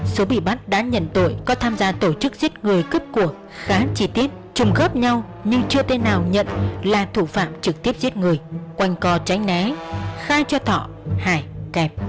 số bị bắt đã nhận tội có tham gia tổ chức giết người cướp cuộc khá chi tiết trùng khớp nhau nhưng chưa tên nào nhận là thủ phạm trực tiếp giết người quanh co trái né khai cho thọ hải kẹp